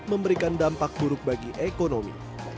memberikan dampak buruk bagi ekonomi